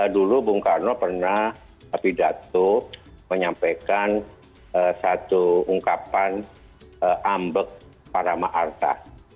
dulu bung karno pernah pidato menyampaikan satu ungkapan ambek para maarta